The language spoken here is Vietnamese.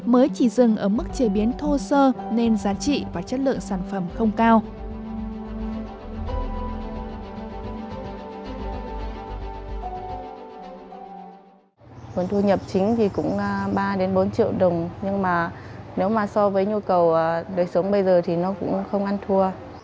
mới chỉ dừng ở mức chế biến thô sơ nên giá trị và chất lượng sản phẩm không cao